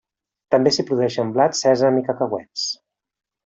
També s'hi produeixen blat, sèsam i cacauets.